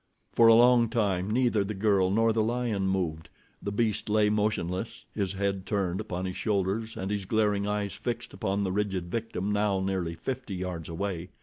For a long time neither the girl nor the lion moved. The beast lay motionless, his head turned upon his shoulders and his glaring eyes fixed upon the rigid victim, now nearly fifty yards away.